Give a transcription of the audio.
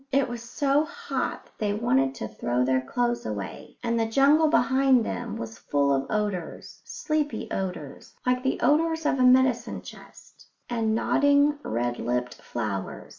It was so hot that they wanted to throw their clothes away, and the jungle behind them was full of odours sleepy odours, like the odours of a medicine chest and nodding, red lipped flowers.